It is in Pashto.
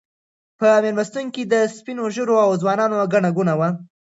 په مېلمستون کې د سپین ږیرو او ځوانانو ګڼه ګوڼه وه.